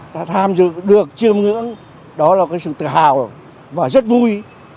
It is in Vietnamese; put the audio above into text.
đã tham dự được chiêm ngưỡng đó là cái sự tự hào và rất vui